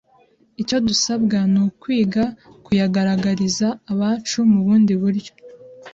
icyo dusabwa ni ukwiga kuyagaragariza abacu mu bundi buryo.